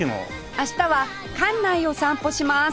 明日は関内を散歩します